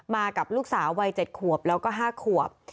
กับลูกสาววัย๗ขวบแล้วก็๕ขวบ